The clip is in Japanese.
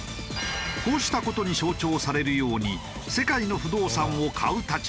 こうした事に象徴されるように世界の不動産を買う立場だった。